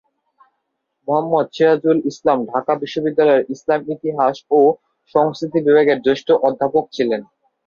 মুহম্মদ সিরাজুল ইসলাম ঢাকা বিশ্ববিদ্যালয়ের ইসলামের ইতিহাস ও সংস্কৃতি বিভাগের জ্যেষ্ঠ অধ্যাপক ছিলেন।